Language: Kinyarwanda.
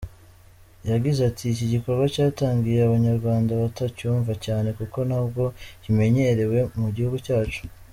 Yagize ati :”Iki gikorwa cyatangiye Abanyarwanda batacyumva cyane kuko ntabwo kimenyerewe mu gihugu cyacu.